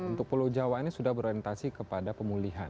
untuk pulau jawa ini sudah berorientasi kepada pemulihan